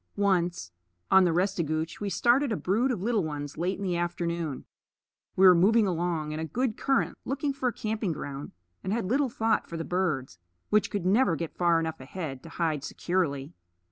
Once, on the Restigouche, we started a brood of little ones late in the afternoon. We were moving along in a good current, looking for a camping ground, and had little thought for the birds, which could never get far enough ahead to hide securely.